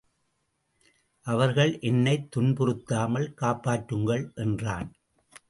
அவர்கள் என்னைத் துன்புறுத்தாமல் காப்பாற்றுங்கள்! என்றான்.